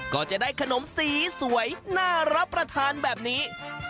ก็จะได้ขนมสีสวยน่ารับประทานแบบนี้